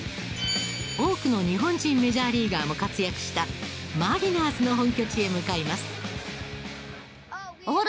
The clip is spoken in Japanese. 多くの日本人メジャーリーガーも活躍したマリナーズの本拠地へ向かいます。